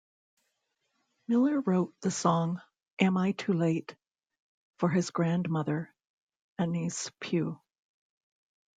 Miller wrote the song "Am I Too Late" for his grandmother, Ahnece Pugh.